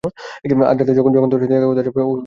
আজ রাতে যখন তার সাথে দেখা করতে যাবো, ও সেখানে থাকবে না।